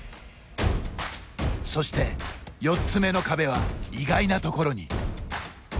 そして、４つ目の壁は意外なところに。